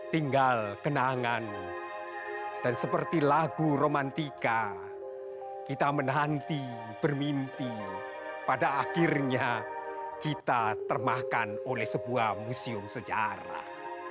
tinggal kenangan dan seperti lagu romantika kita menanti bermimpi pada akhirnya kita termahkan oleh sebuah museum sejarah